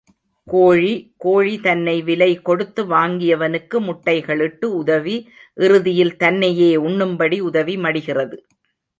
கோழி கோழி தன்னை விலை கொடுத்து வாங்கியவனுக்கு முட்டைகள் இட்டு உதவி, இறுதியில் தன்னையே உண்ணும்படி, உதவி, மடிகிறது.